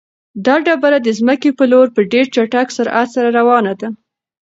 دا ډبره د ځمکې په لور په ډېر چټک سرعت سره روانه ده.